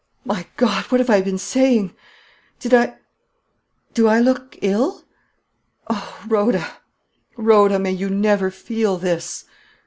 My God! what have I been saying? Did I do I look ill? Oh, Rhoda, Rhoda, may you never feel this!"